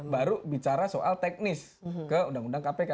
baru bicara soal teknis ke undang undang kpk